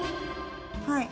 はい。